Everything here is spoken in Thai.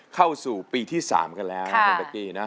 เข้าสู่ปีที่๓กันแล้วนะคุณเป๊กกี้นะ